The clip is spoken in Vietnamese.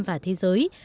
và thế giới